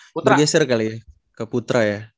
saya bergeser kali ya ke putra ya